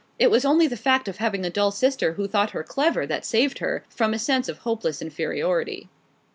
It was only the fact of having a dull sister who thought her clever that saved her, from a sense of hopeless inferiority.